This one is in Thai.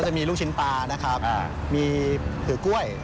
มีลูกชิ้นปลานะครับมีถือกล้วย